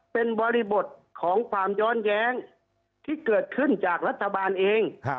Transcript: เป็นบริบทของความย้อนแย้งที่เกิดขึ้นจากรัฐบาลเอง